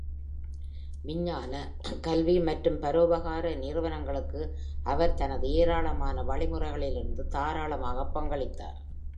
விஞ்ஞான, கல்வி மற்றும் பரோபகார நிறுவனங்களுக்கு அவர் தனது ஏராளமான வழிமுறைகளிலிருந்து தாராளமாக பங்களித்தார்.